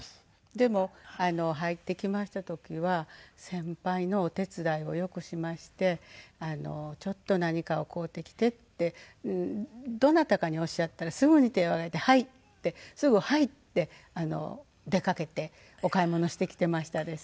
でも入ってきました時は先輩のお手伝いをよくしましてちょっと何かを買うてきてってどなたかにおっしゃったらすぐに手を挙げて「はい！」ってすぐ「はい！」って出かけてお買い物してきてましたです。